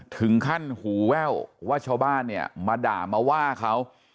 ถึงขั้นหูแว่วว่าชาวบ้านเนี่ยมาด่ามาว่าเขา